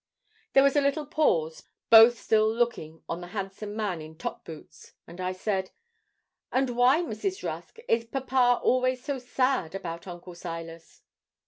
There was a little pause, both still looking on the handsome man in top boots, and I said 'And why, Mrs. Rusk, is papa always so sad about Uncle Silas?'